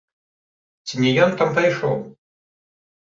Ці не ён там прыйшоў?